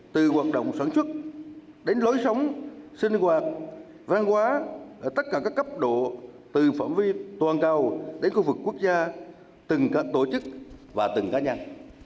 từ hoạt động sản xuất đến lối sống sinh hoạt văn hóa ở tất cả các cấp độ từ phạm vi toàn cầu đến khu vực quốc gia từng các tổ chức và từng cá nhân